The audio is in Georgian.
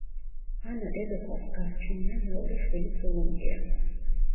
ანა დედოფალს გასჩენია მეორე შვილიც ულუმპია.